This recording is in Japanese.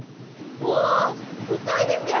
お太いですよ。